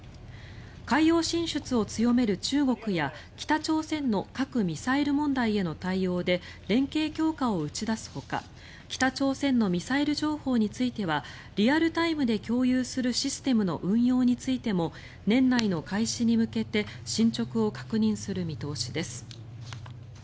海洋進出を強める中国や北朝鮮の核・ミサイル問題への対応で、連携強化を打ち出すほか北朝鮮のミサイル情報についてはリアルタイムで共有するシステムの運用についても年内の開始に向けて進ちょくを確認する見通しです。